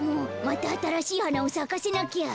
またあたらしいはなをさかせなきゃ。